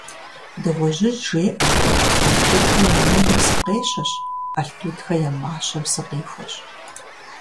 Дыгъужьыжь жеӀэ: «Алтутхэ я мэлым сыкъещэщ, Алтутхэ я мащэм сыкъихуэщ.».